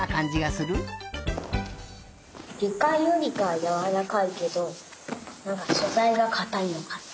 ゆかよりかはやわらかいけどそざいがかたいのかな。